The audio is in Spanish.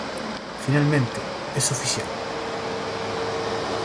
Finalmente, ¡es oficial!